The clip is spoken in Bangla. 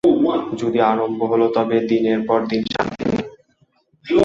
যদি আরম্ভ হল তবে দিনের পর দিন শান্তি নেই।